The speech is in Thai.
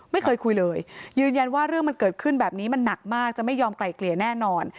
ไม่เคยคุยเลยยืนยันว่าเรื่องมันเกิดขึ้นแบบนี้มันหนักมากจะไม่ยอมไกลเกลี่ยแน่นอน